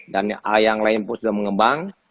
dan yang lain pun sudah mengembang